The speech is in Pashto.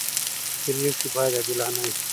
پرېکړې باید عادلانه وي